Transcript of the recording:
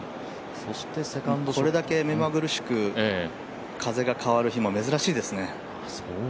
これだけ目まぐるしく風が変わる日も珍しいですね。